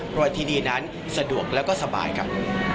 เพราะทีนี้นั้นสะดวกและก็สบายครับ